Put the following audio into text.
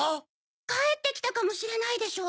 帰ってきたかもしれないでしょ。